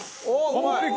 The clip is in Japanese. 完璧！